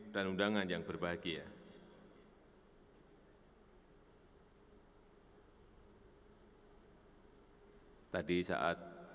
dan mereka maafkan perublik dirimu